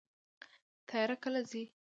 تیاره کله ځي؟